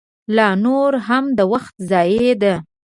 لا نوره هم د وخت ضایع ده.